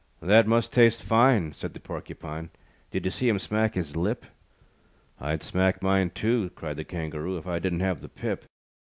"That must taste fine," Said the Porcupine, "Did you see him smack his lip?" "I'd smack mine, too," Cried the Kangaroo, "If I didn't have the pip."